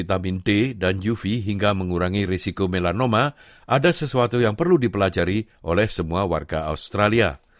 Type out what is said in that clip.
ada sesuatu yang perlu dipelajari oleh semua warga australia